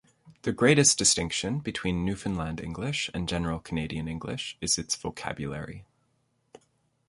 The greatest distinction between Newfoundland English and General Canadian English is its vocabulary.